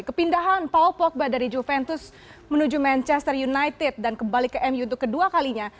kepindahan paul pogba dari juventus menuju manchester united dan kembali ke mu untuk kedua kalinya